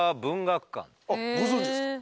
あっご存じですか？